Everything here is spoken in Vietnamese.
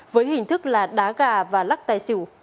với hình thức là đá gà và lắc tài xỉu